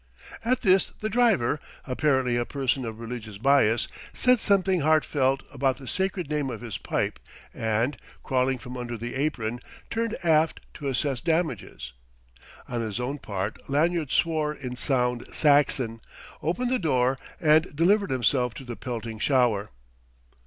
At this the driver (apparently a person of religious bias) said something heartfelt about the sacred name of his pipe and, crawling from under the apron, turned aft to assess damages. On his own part Lanyard swore in sound Saxon, opened the door, and delivered himself to the pelting shower.